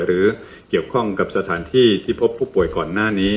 หรือเกี่ยวข้องกับสถานที่ที่พบผู้ป่วยก่อนหน้านี้